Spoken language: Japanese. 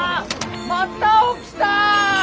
また起きた！